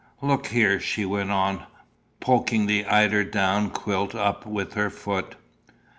"Look here," she went on, poking the eider down quilt up with her foot.